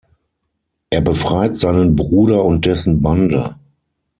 Er befreit seinen Bruder und dessen Bande.